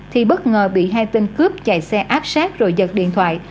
thì bất ngờ bị hai tên cướp chạy xe áp sát rồi giật điện thoại